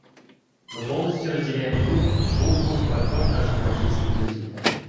Мы полностью разделяем дух, букву и подход наших бразильских друзей.